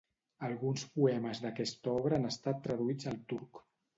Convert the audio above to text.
Alguns poemes d'aquesta obra han estat traduïts al turc.